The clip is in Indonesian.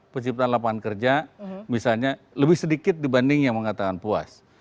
penciptaan lapangan kerja misalnya lebih sedikit dibanding yang mengatakan puas